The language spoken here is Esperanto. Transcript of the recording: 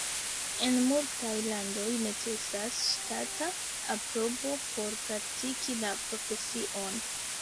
En multaj landoj necesas ŝtata aprobo por praktiki la profesion.